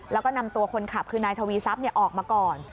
แล้วก็นำตัวคนขับคือนายทวีทรัพย์ออกมาก่อน